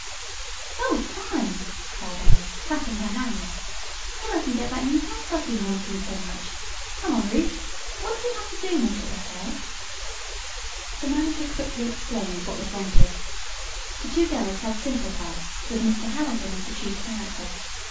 "Oh, fine!" cried Alice, clapping her hands. "Then I can get that new hat I've been wanting so much. Come on, Ruth. What do we have to do, Mr. Pertell?" The manager quickly explained what was wanted. The two girls had simple parts, with Mr. Harrison as the chief character.